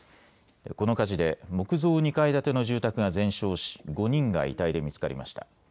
この火事で木造２階建ての住宅が全焼し５人が遺体で見つかりました。